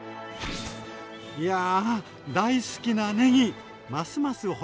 いや大好きなねぎますます